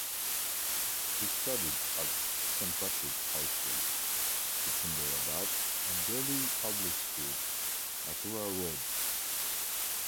He studied at Saint Patrick's High School, Secunderabad and Delhi Public School, Mathura Road.